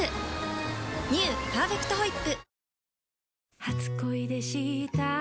「パーフェクトホイップ」